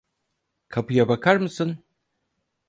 Kapıya bakar mısın?